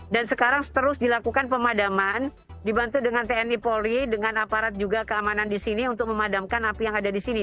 dan sekarang terus dilakukan pemadaman dibantu dengan tni polri dengan aparat juga keamanan di sini untuk memadamkan api yang ada di sini